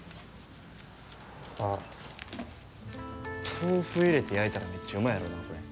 あっ豆腐入れて焼いたらめっちゃうまいやろなこれ。